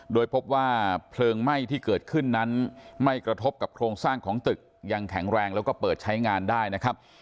โดยพบว่าเพลิงไหม้ที่เกิดขึ้นนั้นไม่กระทบกับโครงสร้างของตึกยังแข็งแรงแล้วก็เปิดใช้งานได้นะครับ